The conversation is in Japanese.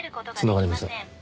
繋がりません。